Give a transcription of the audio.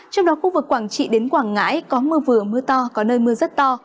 trong đó khu vực quảng trị đến quảng ngãi có mưa vừa mưa to có nơi mưa rất to